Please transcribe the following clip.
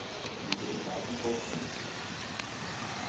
Muito obrigado volte sempre.